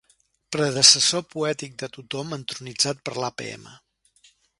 Predecessor poètic de tothom entronitzat per l'APM.